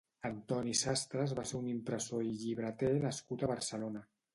Antoni Sastres va ser un impressor i llibreter nascut a Barcelona.